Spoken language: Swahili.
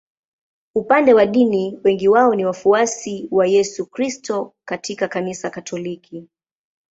Upande wa dini wengi wao ni wafuasi wa Yesu Kristo katika Kanisa Katoliki.